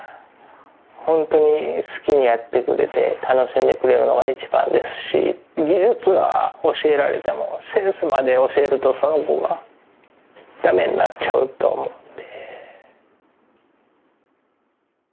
ほんとに好きにやってくれて楽しんでくれるのが一番ですし技術は教えられてもセンスまで教えるとその子が駄目になっちゃうと思って。